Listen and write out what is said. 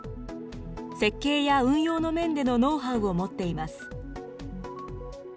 設計や運用の面でのノウハウを持っています。